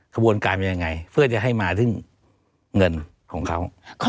กระบวนการมันยังไงเพื่อจะให้มาถึงเงินของเขา